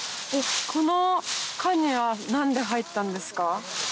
この科には何で入ったんですか？